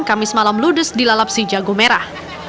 kamis malam ludes dilalapsi jago merah